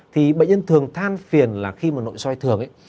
thì bệnh nhân thường than phiền là khi mà nội soi thường ấy